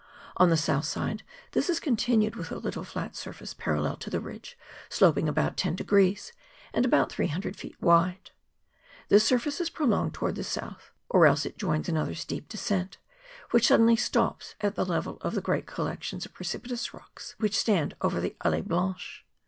On the south side this is continued with a little flat surface parallel to the ridge, sloping about 10 degrees, and about 300 feet wide. This surface is prolonged towards the south, or else it joins another steep descent, which sud¬ denly stops at the level of the great collection of pre¬ cipitous rocks which stand over the Allee Blanche.